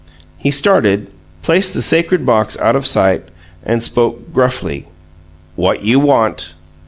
He started, placed the sacred box out of sight, and spoke gruffly. "What you want?"